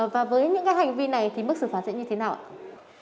và với những hành vi này thì mức sự phản diện như thế nào